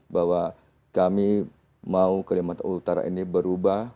bahwa kami mau kalimantan utara ini berubah